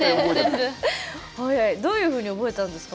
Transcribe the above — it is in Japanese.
どういうふうに覚えたんですか？